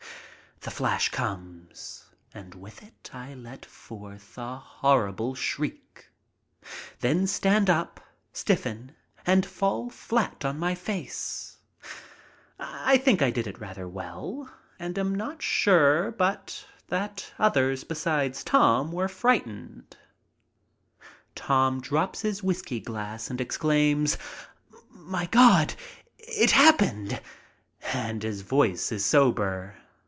The flash comes, and with it I let forth a horrible shriek, then stand up, stiffen, and fall flat on my face. I think I did it rather well, and I am not sure but that others besides Tom were frightened. A JOKE AND STILL ON THE GO 65 Tom drops his whisky glass and exclaims: "My God! It's happened!" and his voice is sober.